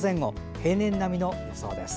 平年並みの予想です。